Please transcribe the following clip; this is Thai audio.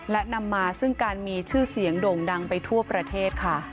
และนำมาซึ่งการมีชื่อเสียงโด่งดังไปทั่วประเทศค่ะ